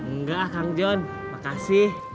enggak kang john makasih